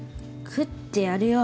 食ってやるよ。